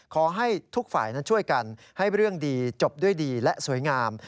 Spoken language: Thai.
ขอให้ทุกฝ่ายนั้นช่วยกันให้เรื่องดีจบด้วยดีและสวยงาม